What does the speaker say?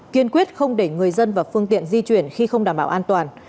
kiên quyết không để người dân và phương tiện di chuyển khi không đảm bảo an toàn